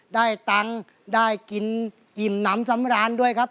ได้ตังค์ได้กินอิ่มน้ำสำราญด้วยครับ